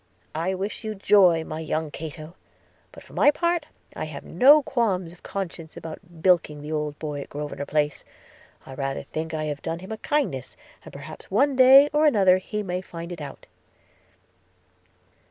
I wish you joy, my young Cato; but for my part, I find I have no qualms of conscience about bilking the old boy in Grosvenor Place – I rather think I have done him a kindness, and perhaps one day or other he may find it out.'